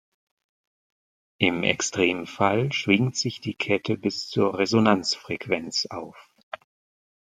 Im Extremfall schwingt sich die Kette bis zur Resonanzfrequenz auf.